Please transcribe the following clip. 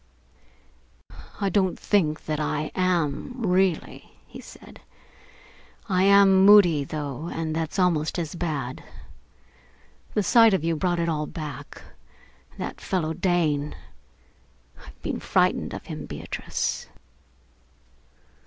"I don't think that I am, really," he said. "I am moody, though, and that's almost as bad. The sight of you brought it all back. And that fellow Dane I've been frightened of him, Beatrice."